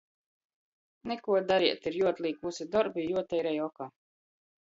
Nikuo dareit, ir juoatlīk vysi dorbi i juoteirej oka.